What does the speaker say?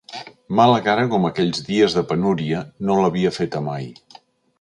Mala cara com aquells dies de penúria, no l'havia feta mai.